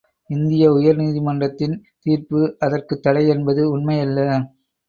இந்திய உயர்நீதி மன்றத்தின் தீர்ப்பு அதற்குத்தடை என்பது உண்மையல்ல.